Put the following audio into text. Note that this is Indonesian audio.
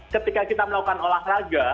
ketika kita melakukan olahraga